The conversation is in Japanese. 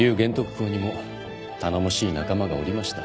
公にも頼もしい仲間がおりました。